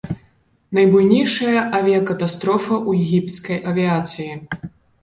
Найбуйнейшая авіякатастрофа ў егіпецкай авіяцыі.